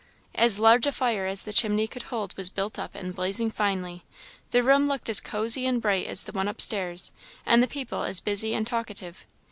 As large a fire as the chimney would hold was built up and blazing finely; the room looked as cozy and bright as the one upstairs, and the people as busy and as talkative.